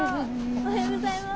おはようございます。